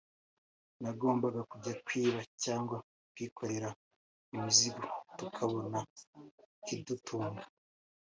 nagombaga kujya kwiba cyangwa kwikorera imizigo tukabona ikidutunga